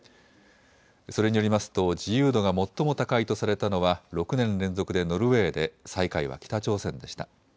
それによりますと自由度が最も高いとされたのは６年連続でノルウェーで最下位は北朝鮮でした。